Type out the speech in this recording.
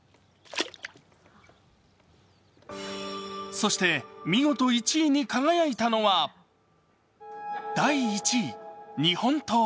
そして、見事１位に輝いたのは第１位、日本刀。